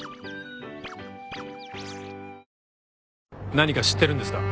何か知ってるんですか？